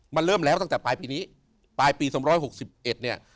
มันเริ่มแล้วตั้งแต่ปลายปีนี้ปลายปี๒๖๑เนี่ย